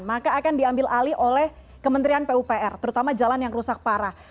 maka akan diambil alih oleh kementerian pupr terutama jalan yang rusak parah